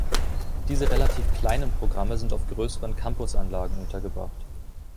Diese relativ kleinen Programme sind auf größeren Campusanlagen untergebracht.